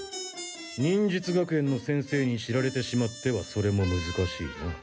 忍術学園の先生に知られてしまってはそれも難しいな。